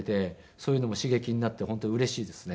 そういうのも刺激になって本当にうれしいですね。